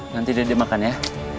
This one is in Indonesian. nanti dedek makan ya